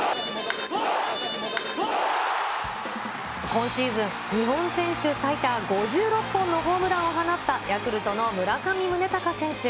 今シーズン、日本選手最多５６本のホームランを放った、ヤクルトの村上宗隆選手。